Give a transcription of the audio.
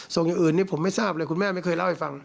อย่างอื่นนี่ผมไม่ทราบเลยคุณแม่ไม่เคยเล่าให้ฟัง